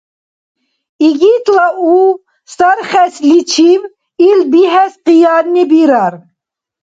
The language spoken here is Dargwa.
Игитла у сархесличиб, ил бихӀес къиянни бирар.